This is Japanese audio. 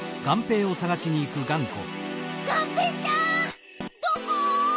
がんぺーちゃんどこ？